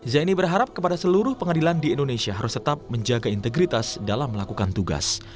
zaini berharap kepada seluruh pengadilan di indonesia harus tetap menjaga integritas dalam melakukan tugas